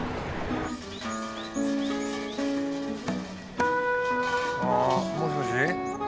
あっもしもし？